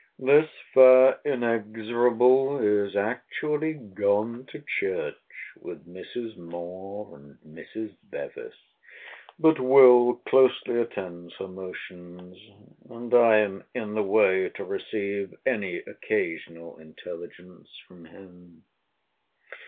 This fair inexorable is actually gone to church with Mrs. Moore and Mrs. Bevis; but Will. closely attends her motions; and I am in the way to receive any occasional intelligence from him.